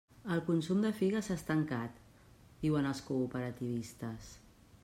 El consum de figues s'ha estancat, diuen els cooperativistes.